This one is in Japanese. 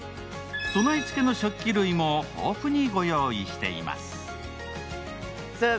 備え付けの食器類も豊富にご用意しています。